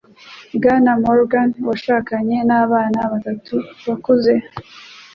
Bwana Morgan washakanye n'abana batatu bakuze,